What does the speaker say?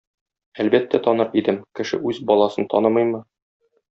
Әлбәттә таныр идем, кеше үз баласын танымыймы.